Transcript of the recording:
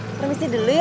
permisi dulu ya